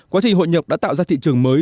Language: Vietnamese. quá trình hội nhập đã tạo ra thị trường mới